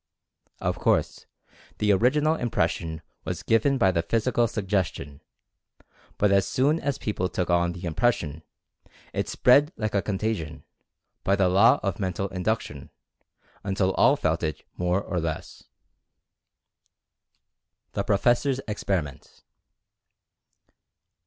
Of course, the original impression was given by the physical suggestion, but as soon as people took on the impres sion, it spread like a contagion, by the law of mental induction, until all felt it more or less. THE PROFESSOR'S EXPERIMENT.